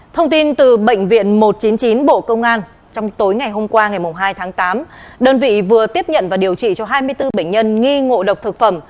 thông tin từ bệnh viện một trăm chín mươi chín bộ công an trong tối ngày hôm qua ngày hai tháng tám đơn vị vừa tiếp nhận và điều trị cho hai mươi bốn bệnh nhân nghi ngộ độc thực phẩm